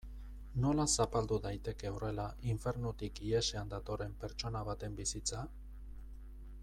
Nola zapaldu daiteke horrela infernutik ihesean datorren pertsona baten bizitza?